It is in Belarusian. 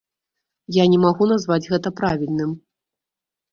Я не магу назваць гэта правільным.